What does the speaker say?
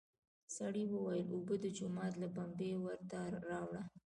سړي وويل: اوبه د جومات له بمبې ورته راوړه!